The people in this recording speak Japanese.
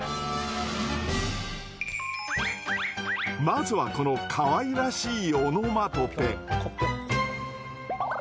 まずはこのかわいらしいオノマトペ！